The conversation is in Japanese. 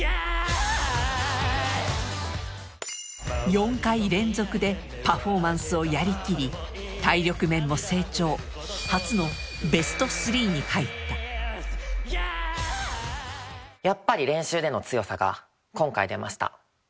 ４回連続でパフォーマンスをやりきり体力面も成長に入ったやっぱり練習での強さが今回出ました。